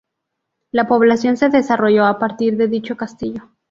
La población se desarrolló a partir de dicho castillo.